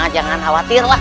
jangan khawatir lah